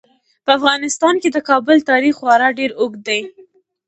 په افغانستان کې د کابل تاریخ خورا ډیر اوږد دی.